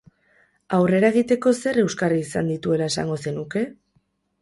Aurrera egiteko zer euskarri izan dituela esango zenuke?